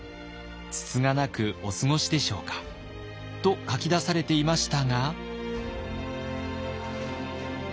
つつがなくお過ごしでしょうか」と書き出されていましたが。